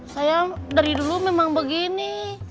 saya dari dulu memang begini